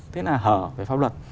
thế là hở về pháp luật